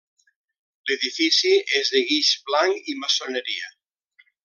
L'edifici és de guix blanc i maçoneria.